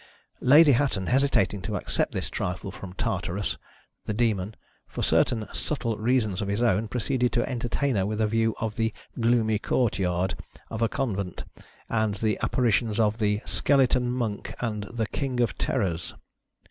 Lady Hatton hesitating to accept this trifle from Tartarus, the Demon, for certain subtle reasons of his own, proceeded to entertain her with a view of the " gloomy court yard of a convent," and the apparitions of the "Skeleton Monk" and the "King of Terrors."